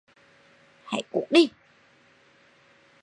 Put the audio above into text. hãy cút đi